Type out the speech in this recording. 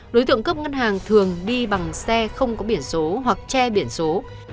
đối tượng cướp ngân hàng thường đi bằng xe không có biển số hoặc che biển số